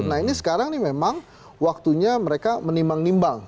nah ini sekarang memang waktunya mereka menimang nimang